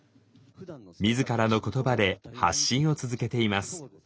自らの言葉で発信を続けています。